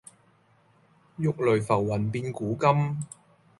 玉壘浮雲變古今。